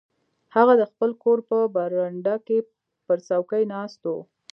هغه د خپل کور په برنډه کې پر څوکۍ ناست و.